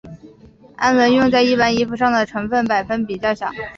氨纶用在一般衣服上的成分百分比较小。